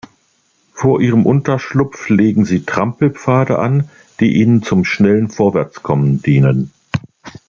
Von ihrem Unterschlupf legen sie Trampelpfade an, die ihnen zum schnellen Vorwärtskommen dienen.